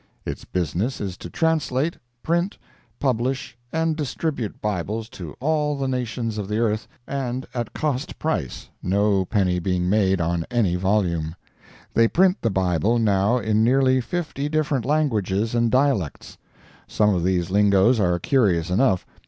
Its business is to translate, print, publish and distribute Bibles to all the nations of the earth, and at cost price, no penny being made on any volume. They print the Bible, now, in nearly fifty different languages and dialects. Some of these lingoes are curious enough.